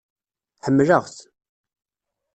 Ḥemmleɣ-t.